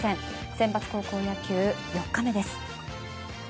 センバツ高校野球、４日目です。